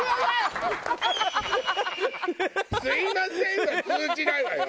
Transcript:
「すみません」は通じないわよ